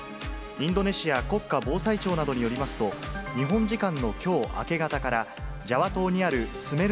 インドネシア国家防災庁などによりますと、日本時間のきょう明け方から、ジャワ島にあるスメル